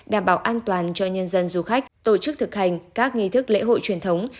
đảm bảo an toàn cho nhân dân du khách tổ chức thực hành các nghi thức lễ hội truyền thống